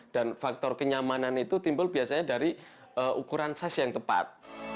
dan faktor kenyamanan itu timbul biasanya dari ukuran size yang tepat